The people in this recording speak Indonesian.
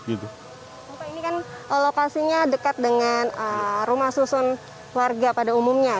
bapak ini kan lokasinya dekat dengan rumah susun warga pada umumnya